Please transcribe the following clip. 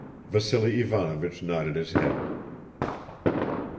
(Vassily Ivanovich nodded his head.)